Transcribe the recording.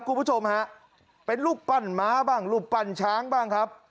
คุณผู้ชมฮะเป็นรูปปั้นม้าบ้างรูปปั้นช้างบ้างครับ